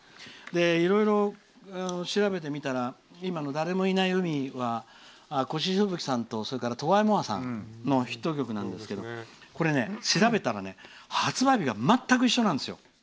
いろいろ調べてみたら今の「誰もいない海」は越路吹雪さんとトワ・エ・モワさんのヒット曲なんだけどこれ、調べたら発売日が全く一緒なんです。